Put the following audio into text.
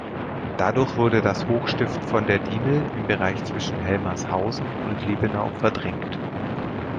Dadurch wurde das Hochstift von der Diemel im Bereich zwischen Helmarshausen und Liebenau verdrängt.